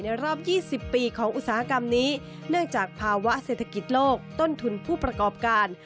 รอบ๒๐ปีของอุตสาหกรรมนี้เนื่องจากภาวะเศรษฐกิจโลกต้นทุนผู้ประกอบการ